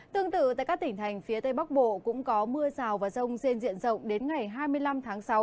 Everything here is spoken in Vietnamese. tương tự tại các tỉnh thành phía tây bắc bộ cũng có mưa rào và rông trên diện rộng đến ngày hai mươi năm tháng sáu